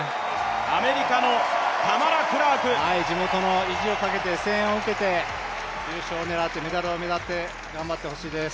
アメリカのタマラ・クラーク自分との意地をかけて、声援を受けて優勝を狙ってメダルを狙って頑張ってほしいです。